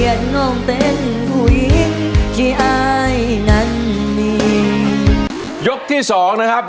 ยกที่สองนะครับ